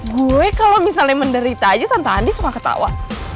gue kalau misalnya menderita aja tante andi suka ketawa